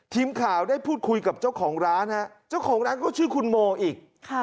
ทีมข่าวได้พูดคุยกับเจ้าของร้านฮะเจ้าของร้านเขาชื่อคุณโมอีก